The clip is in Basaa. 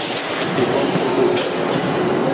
Hibomb hi mut.